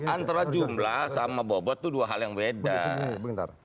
antara jumlah sama bobot itu dua hal yang beda